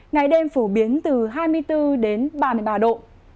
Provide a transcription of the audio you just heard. ngày đêm phổ biến từ hai mươi bốn đến ba mươi ba độ